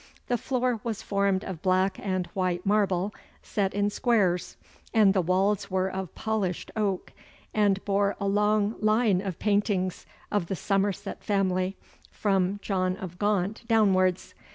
The floor was formed of black and white marble, set in squares, and the walls were of polished oak, and bore a long line of paintings of the Somerset family, from John of Gaunt downwards.